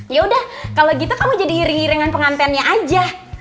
yaudah kalau gitu kamu jadi hiring hiringan pengantennya aja